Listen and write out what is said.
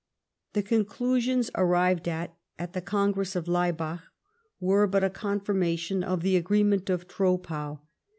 The conclusions arrived at at the Congress of Laibach were but a confirmation of the agreement of Troppau.